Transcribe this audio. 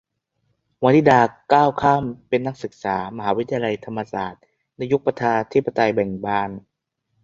วนิดาก้าวเข้ามาเป็นนักศึกษามหาวิทยาลัยธรรมศาสตร์ในยุคประชาธิปไตยเบ่งบาน หลังเหตุการณ์ สิบสี่ ตุลา และเข้าร่วมกิจกรรม นักศึกษาฝ่ายก้าวหน้าอย่างแข็งขัน